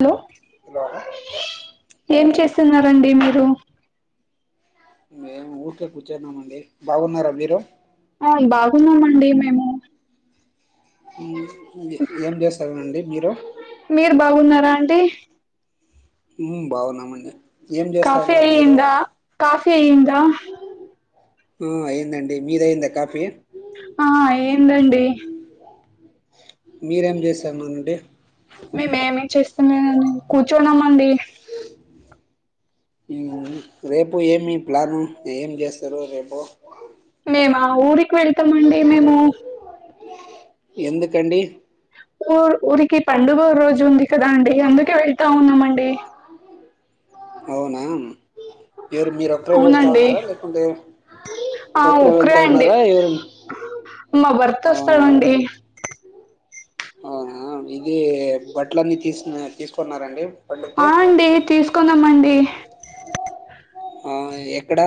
Hello hello ఏం చేస్తున్నారండి మీరు. మేము ఊరికే కూర్చున్నామండి బాగున్నారా మీరు. ఆ బాగున్నామండి మేము. ఉం ఏం చేస్తారండి. మీరు. మీరు బాగున్నారా అండి ఉం బాగున్నామండి. ఏం చేస్తా కాఫీ ఉన్నారు మీరు ఐంద కాఫీ. ఫీ అయిందా. ఉం అయిందండి మీద అయిందా కాఫీ. ఆ అయ్యిందండి మీరేం చేస్తా ఉన్నారండి మేమేమి చేస్తలేనని కూర్చున్నామ అండి. రేపు ఏమి ప్లాను ఏం చేస్తారు రేపు. మేమ ఊరికి వెళ్తామండి మేము. ఎందుకండి. ఊ ఊరికి పండుగ రోజు ఉంది. కదా అండి అందుకే వెళ్తా ఉన్నామండి. అవునా ఎవరు మీరు ఒక్కరే వెళ్తా అవునండి ఉన్నారా లేకుంటే ఆ ఒకరే ఒక్కరే వెళ్తా అండి ఉన్నారా ఎవరన్న మా భర్త ఆ వస్తాడండి అవునా ఇది బట్టల అన్నీ తీసు తీసుకున్నారండి. పండుగకి ఆ అండి తీసుకున్నాం అండి. ఆహ్ ఎక్కడా.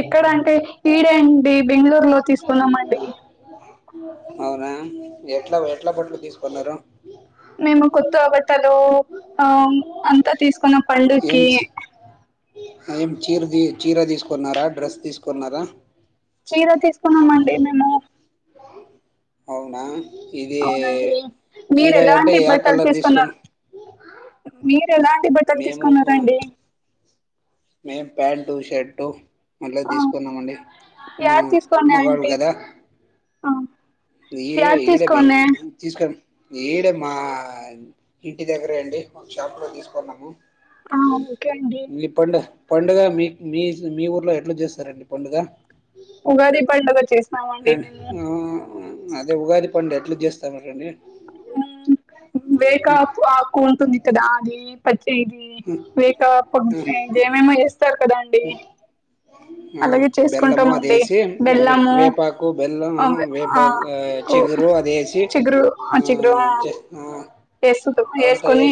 ఎక్కడ అంటే ఈడే అండి బంగళూరు లో తీసుకున్నామండి అవునా ఎట్లా ఎట్ల పండ్లు తీసుకున్నారు ఆహ్ అంతా తీసు కొన ఏం పడుగకి ఏం చీర తీ చీర తీసుకున్నారా డ్రెస్ తీసుకున్నారా చీర తీసుకున్నామండి మేము అవునా ఇది అవున అండి మీరు చీర అంటే ఎలాంటి ఏ బట్టలు కలర్ తీసుకున్నా తీసుకున్నారు మీరు ఎలాంటి బట్టలు తీసుకున్నారండి మేం ప్యాంటు షర్టు మళ్ళ ఆ తీసుకున్నామండి మా యాడ మగాళ్ళు కదా ఆహ్ ఈ ఈడే బెంగ్ తీసుకన్ ఈడే మా ఇంటి దగ్గరే అండి మా షాప్ లో తీసుకున్నాము ఆహ్ ఓకే అండి మీ పండు పండుగ మీ మీ మీ ఊర్లో ఎట్లా చేస్తారండి పండుగ ఉగాది పడుగచ్చసినామండి అండ్ మేము ఆ అదే ఉగాది పండు ఎట్లు చేస్తాము అండి వేక ఆకు ఆకు ఉంటుంది కదా అది పచ్చి ఇది లేక [unintelligible] ఏమేమో చేస్తారు కదం ఆహ్ బెల్లమ చేసుకుంటామండి అదేసి బెల్లము వేవేపాకు బెల్లం అవ్వే వేప ఆ కు చిగురు అది ఏసీ చిగురు ఆహ్ అంతే ఆహ్ వేసుకుటం వేసుకొని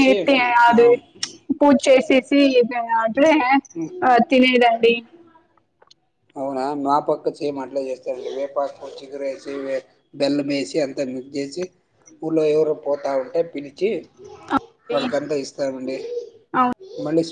ఆ అది పూజ చేసేసి ఇది అడ్రే ఆహ్ లేదండి అవునా మా పక్క చేమ్ అట్లా చేస్తారండి వేపాకు చిగుర ఏసి వే బెల్లం ఏసి అంతా మిక్స్ చేసి ఊళ్ళో ఎవరూ పోత ఉంటే పిలిచి అవును వాళ్ళకంతా ఇస్తామండి మళ్ళీ